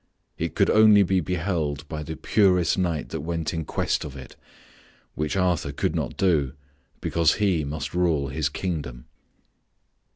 It could only be beheld by the purest knight that went in quest of it, which Arthur could not do, because he must rule his kingdom.